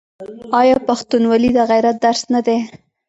آیا پښتونولي د غیرت درس نه دی؟